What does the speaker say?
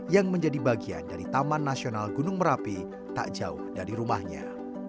yang menjadi bagian dari taman nasional gunung merapi tak jauh dari rumahnya